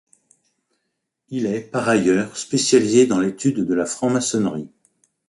Il est par ailleurs spécialisé dans l'étude de la franc-maçonnerie.